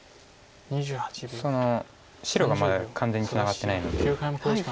白がまだ完全にツナがってないので。